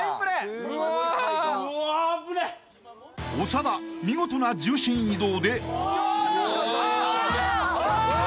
［長田見事な重心移動で］